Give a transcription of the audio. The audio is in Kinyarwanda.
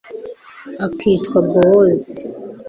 akitwa bowozi